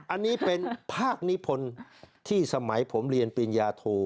อันนี้เป็นภาคนิพนธ์ที่สมัยผมเรียนปริญญาโท